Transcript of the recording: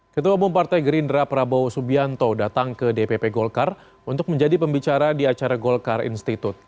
ketua umum partai gerindra prabowo subianto datang ke dpp golkar untuk menjadi pembicara di acara golkar institute